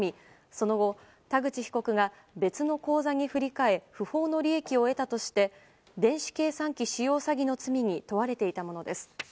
その後、田口被告が別の口座に振り替え不法の利益を得たとして電子計算機使用詐欺の罪に問われていたものです。